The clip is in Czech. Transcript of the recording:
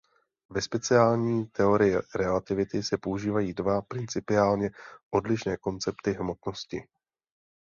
Ve speciální teorii relativity se používají dva principiálně odlišné koncepty hmotnosti.